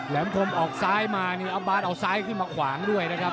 มคมออกซ้ายมานี่ออฟบาสเอาซ้ายขึ้นมาขวางด้วยนะครับ